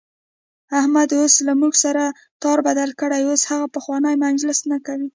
احمد اوس له موږ سره تار بدل کړی، اوس هغه پخوانی مجلس نه کوي.